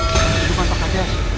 di depan pak kadas